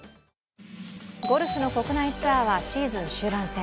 ゴルフの国内ツアーはシーズン終盤戦。